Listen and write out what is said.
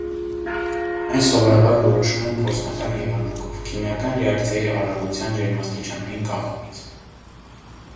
Այն սովորաբար որոշում են փորձնական եղանակով՝ քիմիական ռեակցիայի արագության ջերմաստիճանային կախումից։